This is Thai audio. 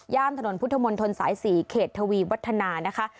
ถนนพุทธมนตรสาย๔เขตทวีวัฒนานะคะ